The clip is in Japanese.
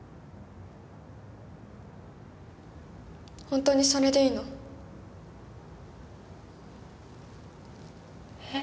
本当にそれでいいの？え？